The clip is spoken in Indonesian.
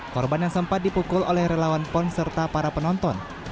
korban yang sempat dipukul oleh relawan pon serta para penonton